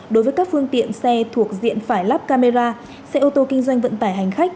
đối với các phương tiện xe thuộc diện phải lắp camera xe ô tô kinh doanh vận tải hành khách